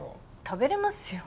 食べれますよ。